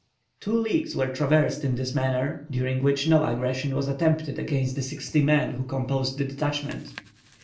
Two leagues were traversed in this manner, during which no aggression was attempted against the sixty men who composed the detachment.